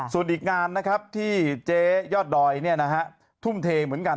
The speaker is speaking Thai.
ส่วนอีกงานนะครับที่เจ๊ยอดดอยทุ่มเทเหมือนกัน